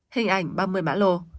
hình ảnh ba mươi mã lồ